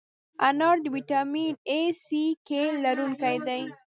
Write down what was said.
انار د ویټامین A، C، K لرونکی دی.